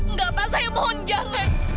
enggak apa saya mohon jangan